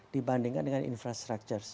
dibandingkan dengan infrastruktur